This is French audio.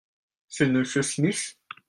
C'est M. Smith ?